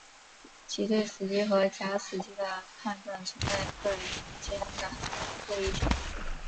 即对死机和假死机的判断存在各人间的特异性。